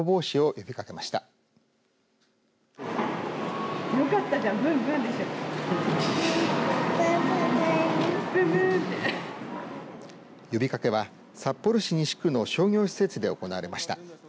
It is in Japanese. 呼びかけは札幌市西区の商業施設で行われました。